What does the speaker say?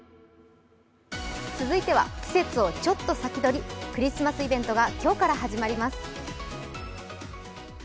続いては、季節をちょっと先取り、クリスマスイベントが今日から始まります。